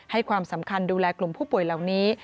ความสำคัญดูแลกลุ่มผู้ป่วยเหล่านี้